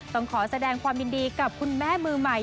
ต้องขอแสดงความยินดีกับคุณแม่มือใหม่